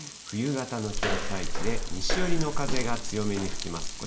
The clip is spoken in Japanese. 冬型の気圧配置で西寄りの風が強めに吹きます。